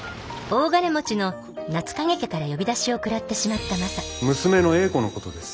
大金持ちの夏影家から呼び出しを食らってしまったマサ娘の英子のことです。